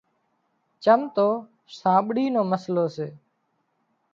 چم تو سانٻڙِي نو مسئلو سي